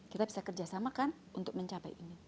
kita bisa kerjasama kan untuk mencapai ini